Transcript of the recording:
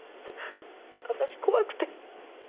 私怖くて。